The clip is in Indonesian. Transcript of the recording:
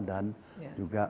dan juga bmkg